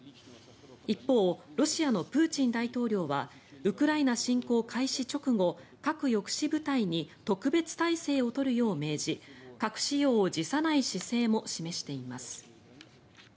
一方、ロシアのプーチン大統領はウクライナ侵攻開始直後核抑止部隊に特別態勢を取るよう命じ核使用を辞さない姿勢も示しています。